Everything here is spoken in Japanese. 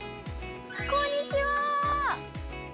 こんにちは。